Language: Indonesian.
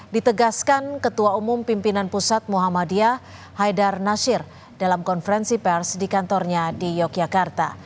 ditegaskan ketua umum pimpinan pusat muhammadiyah haidar nasir dalam konferensi pers di kantornya di yogyakarta